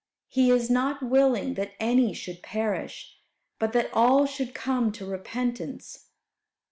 "He is not willing that any should perish, but that all should come to repentance."